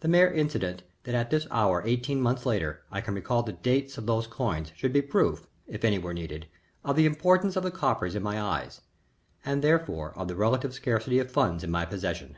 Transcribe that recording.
The mere incident that at this hour eighteen months later I can recall the dates of these coins should be proof, if any were needed, of the importance of the coppers in my eyes, and therefore of the relative scarcity of funds in my possession.